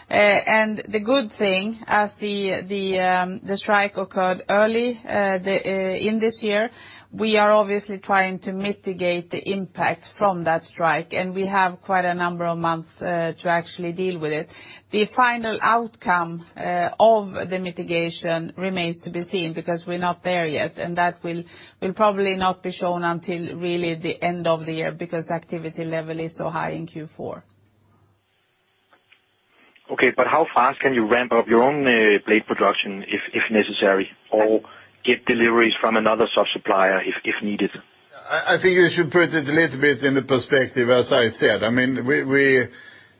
The good thing, as the strike occurred early in this year, we are obviously trying to mitigate the impact from that strike, and we have quite a number of months to actually deal with it. The final outcome of the mitigation remains to be seen because we're not there yet, and that will probably not be shown until really the end of the year because activity level is so high in Q4. Okay, how fast can you ramp up your own blade production if necessary, or get deliveries from another sub-supplier if needed? I think you should put it a little bit in the perspective, as I said.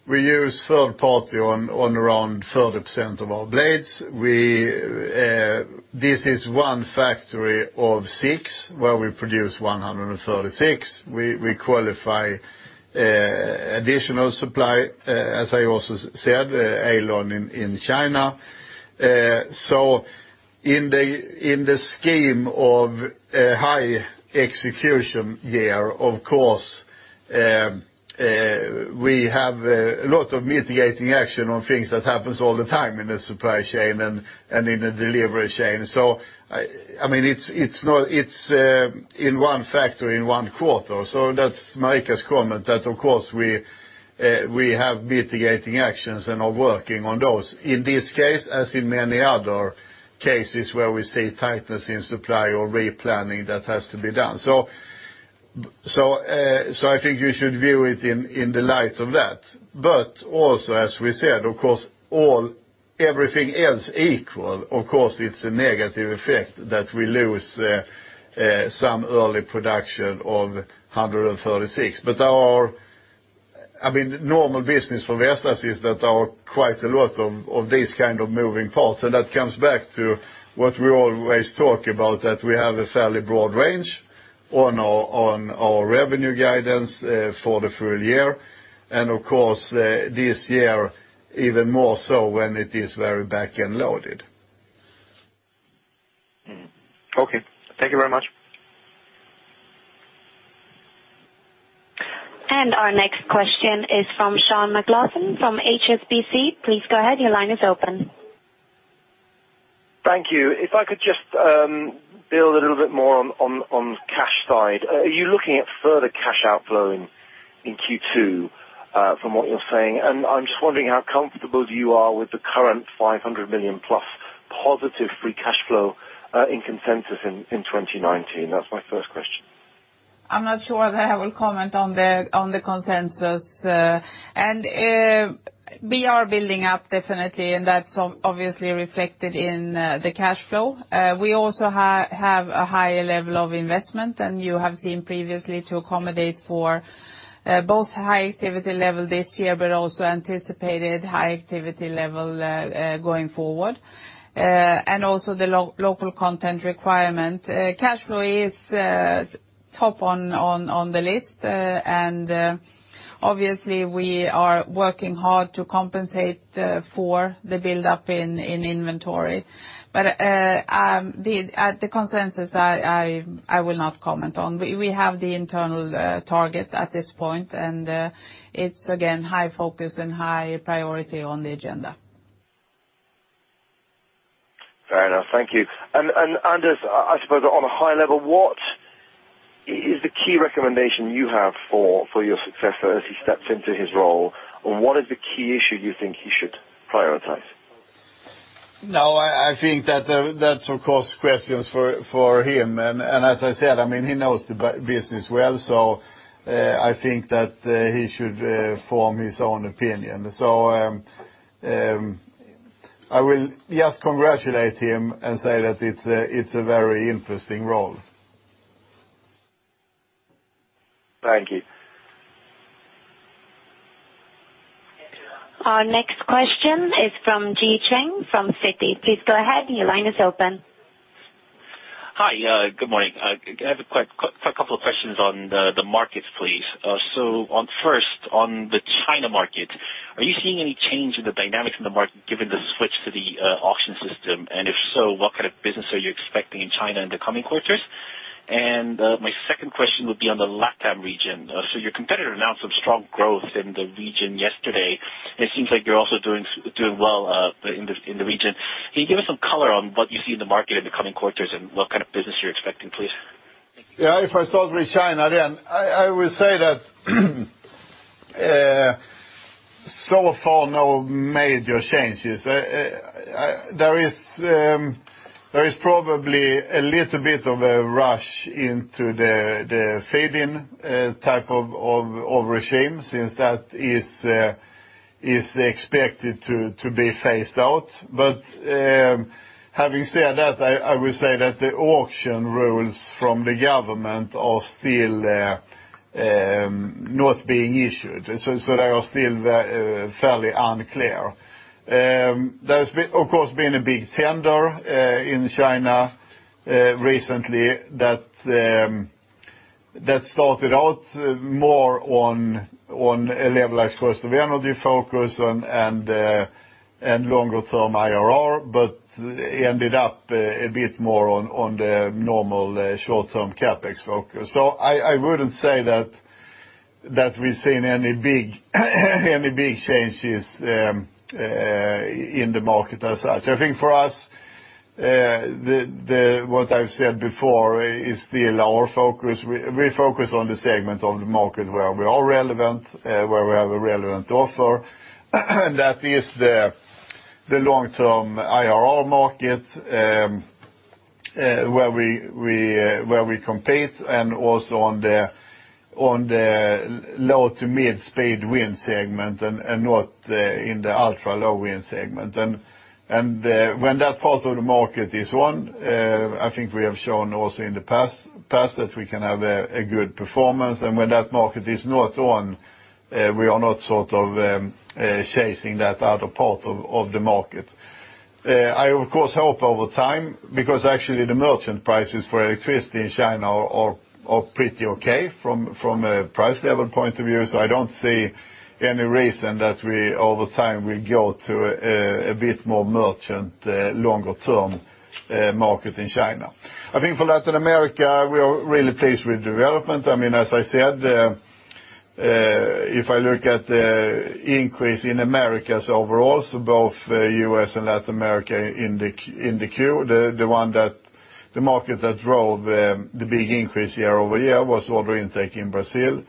We use third party on around 30% of our blades. This is one factory of six where we produce 136. We qualify additional supply, as I also said, Aeolon in China. In the scheme of a high execution year, of course, we have a lot of mitigating action on things that happens all the time in the supply chain and in the delivery chain. It's in one factory in one quarter. That's Marika's comment that of course we have mitigating actions and are working on those, in this case as in many other cases where we see tightness in supply or replanning that has to be done. I think you should view it in the light of that. Also, as we said, of course everything else equal, of course it's a negative effect that we lose some early production of 136. Normal business for Vestas is that there are quite a lot of these kind of moving parts, and that comes back to what we always talk about, that we have a fairly broad range on our revenue guidance for the full year, and of course, this year even more so when it is very back-end loaded. Okay. Thank you very much. Our next question is from Sean McLoughlin from HSBC. Please go ahead. Your line is open. Thank you. If I could just build a little bit more on cash side. Are you looking at further cash outflowing in Q2 from what you're saying? I'm just wondering how comfortable you are with the current 500 million-plus positive free cashflow in consensus in 2019. That's my first question. I'm not sure that I will comment on the consensus. We are building up definitely, and that's obviously reflected in the cashflow. We also have a higher level of investment than you have seen previously to accommodate for both high activity level this year, also anticipated high activity level going forward. Also the local content requirement. Cashflow is top on the list. Obviously, we are working hard to compensate for the buildup in inventory. The consensus, I will not comment on. We have the internal target at this point, and it's again, high focus and high priority on the agenda. Fair enough. Thank you. Anders, I suppose on a high level, what is the key recommendation you have for your successor as he steps into his role? What is the key issue you think he should prioritize? I think that's of course questions for him. As I said, he knows the business well, I think that he should form his own opinion. I will just congratulate him and say that it's a very interesting role. Thank you. Our next question is from Ji Cheng from Citi. Please go ahead, your line is open. Hi, good morning. I have a quick couple of questions on the markets, please. On first, on the China market, are you seeing any change in the dynamics in the market given the switch to the auction system? If so, what kind of business are you expecting in China in the coming quarters? My second question would be on the LATAM region. Your competitor announced some strong growth in the region yesterday, and it seems like you're also doing well in the region. Can you give us some color on what you see in the market in the coming quarters and what kind of business you're expecting, please? Thank you. Yeah. If I start with China, again, I will say that so far, no major changes. There is probably a little bit of a rush into the feed-in type of regime, since that is expected to be phased out. Having said that, I will say that the auction rules from the government are still not being issued. They are still fairly unclear. There's, of course, been a big tender in China recently that started out more on a levelized cost of energy focus and longer-term IRR, but ended up a bit more on the normal short-term CapEx focus. I wouldn't say that we've seen any big changes in the market as such. I think for us, what I've said before is still our focus. We focus on the segment of the market where we are relevant, where we have a relevant offer. That is the long-term IRR market, where we compete and also on the low to mid-speed wind segment and not in the ultra-low wind segment. When that part of the market is on, I think we have shown also in the past that we can have a good performance. When that market is not on, we are not sort of chasing that other part of the market. I, of course, hope over time, because actually the merchant prices for electricity in China are pretty okay from a price level point of view. I don't see any reason that we, over time, will go to a bit more merchant, longer-term market in China. I think for Latin America, we are really pleased with the development. As I said, if I look at the increase in Americas overall, both U.S. and Latin America in the queue, the market that drove the big increase year-over-year was order intake in Brazil.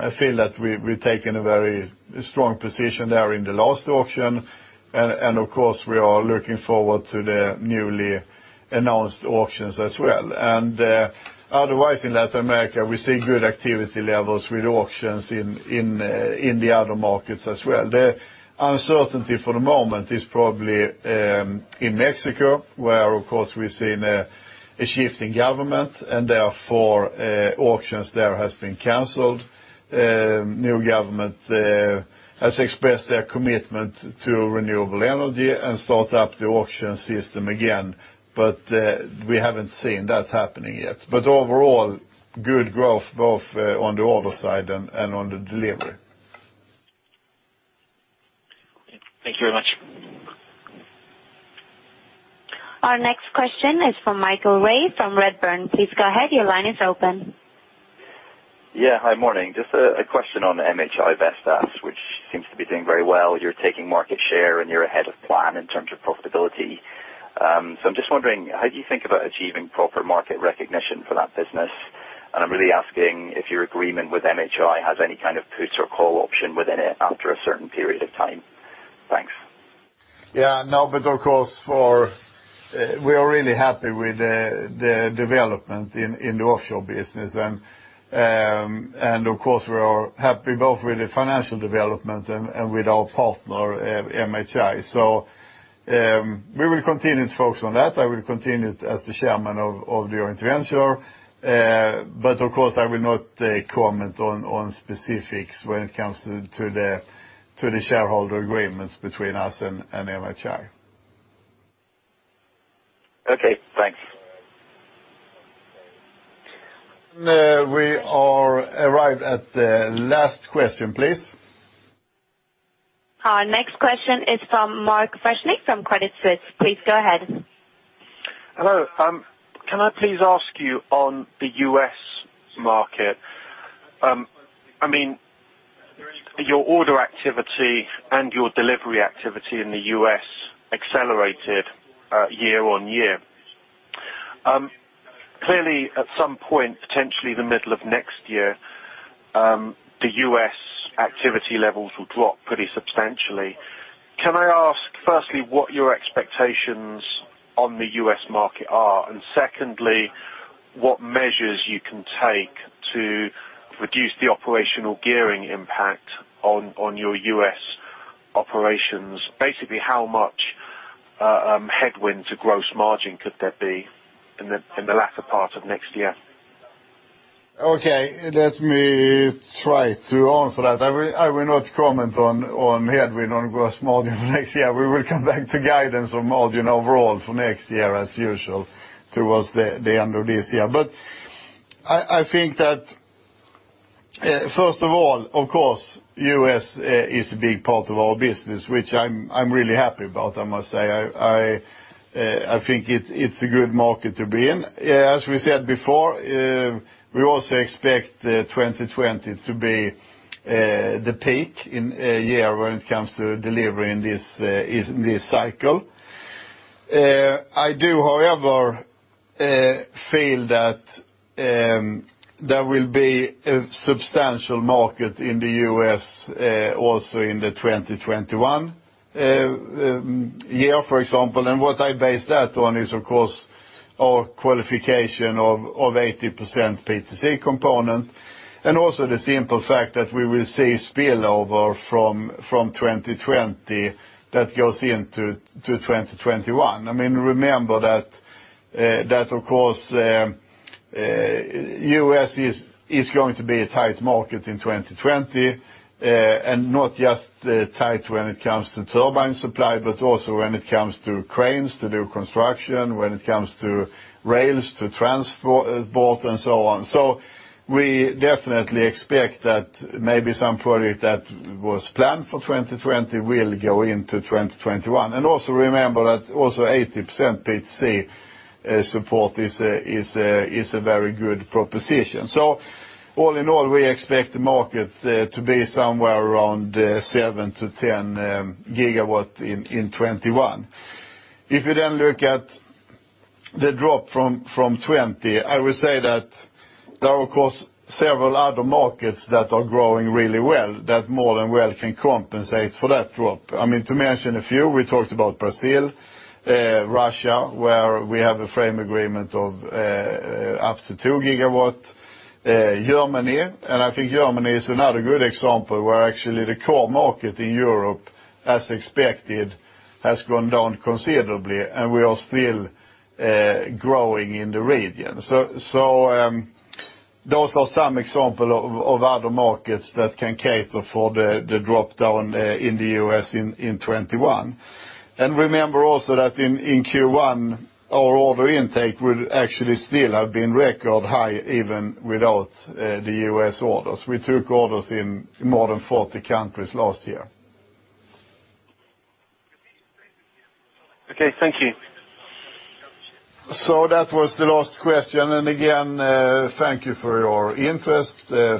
I feel that we've taken a very strong position there in the last auction. Of course, we are looking forward to the newly announced auctions as well. Otherwise in Latin America, we see good activity levels with auctions in the other markets as well. The uncertainty for the moment is probably in Mexico, where of course we've seen a shift in government and therefore, auctions there has been canceled The new government has expressed their commitment to renewable energy and start up the auction system again, but we haven't seen that happening yet. Overall, good growth both on the order side and on the delivery. Thank you very much. Our next question is from Michael Taylor from Redburn. Please go ahead. Your line is open. Hi, morning. Just a question on the MHI Vestas, which seems to be doing very well. You're taking market share, and you're ahead of plan in terms of profitability. I'm just wondering, how do you think about achieving proper market recognition for that business? I'm really asking if your agreement with MHI has any kind of put or call option within it after a certain period of time. Thanks. Yeah. No, of course, we are really happy with the development in the offshore business. Of course, we are happy both with the financial development and with our partner, MHI. We will continue to focus on that. I will continue as the chairman of the joint venture. Of course, I will not comment on specifics when it comes to the shareholder agreements between us and MHI. Okay, thanks. We are arrived at the last question, please. Our next question is from Mark Freshney from Credit Suisse. Please go ahead. Hello. Can I please ask you on the U.S. market? Your order activity and your delivery activity in the U.S. accelerated year-over-year. Clearly, at some point, potentially the middle of next year, the U.S. activity levels will drop pretty substantially. Can I ask, firstly, what your expectations on the U.S. market are? Secondly, what measures you can take to reduce the operational gearing impact on your U.S. operations? Basically, how much headwind to gross margin could there be in the latter part of next year? Okay, let me try to answer that. I will not comment on headwind on gross margin for next year. We will come back to guidance on margin overall for next year as usual towards the end of this year. I think that, first of all, of course, U.S. is a big part of our business, which I'm really happy about, I must say. I think it's a good market to be in. As we said before, we also expect 2020 to be the peak in year when it comes to delivery in this cycle. I do, however, feel that there will be a substantial market in the U.S. also in the 2021 year, for example. What I base that on is, of course, our qualification of 80% PTC component, and also the simple fact that we will see spillover from 2020 that goes into 2021. Remember that, of course, U.S. is going to be a tight market in 2020, and not just tight when it comes to turbine supply, but also when it comes to cranes to do construction, when it comes to rails to transport, and so on. We definitely expect that maybe some project that was planned for 2020 will go into 2021. Also remember that 80% PTC support is a very good proposition. All in all, we expect the market to be somewhere around 7-10 gigawatt in 2021. If you look at the drop from 2020, I would say that there are, of course, several other markets that are growing really well that more than well can compensate for that drop. To mention a few, we talked about Brazil, Russia, where we have a frame agreement of up to 2 gigawatt, Germany. I think Germany is another good example where actually the core market in Europe, as expected, has gone down considerably, and we are still growing in the region. Those are some example of other markets that can cater for the drop-down in the U.S. in 2021. Remember also that in Q1, our order intake will actually still have been record high even without the U.S. orders. We took orders in more than 40 countries last year. Okay, thank you. That was the last question. Again, thank you for your interest.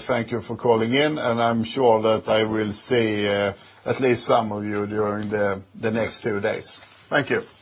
Thank you for calling in, and I'm sure that I will see at least some of you during the next two days. Thank you. Thank you.